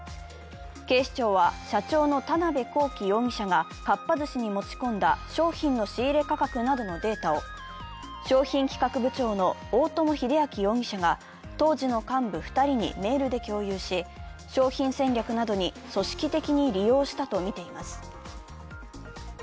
警視庁は、社長の田辺公己容疑者がかっぱ寿司に持ち込んだ商品の仕入れ価格などのデータを商品企画部長の大友英昭容疑者が当時の幹部２人にメールで共有し、商品戦略などに組織的に利用したとみています。